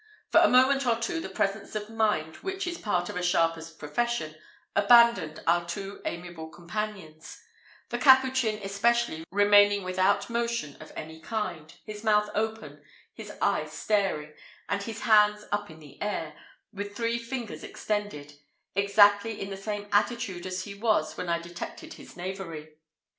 For a minute or two the presence of mind, which is part of a sharper's profession, abandoned our two amiable companions; the Capuchin, especially, remaining without motion of any kind, his mouth open, his eyes staring, and his hands up in the air, with three fingers extended, exactly in the same attitude as he was when I detected his knavery.